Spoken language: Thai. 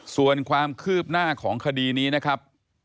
ส่วนความคืบหน้าของคดีนี้นะครับ